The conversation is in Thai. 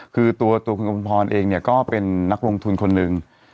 คือตัวคุณกุมพรเองเนี่ยก็เป็นนักลงทุนคนหนึ่ง